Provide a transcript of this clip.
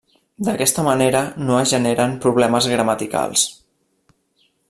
D'aquesta manera no es generen problemes gramaticals.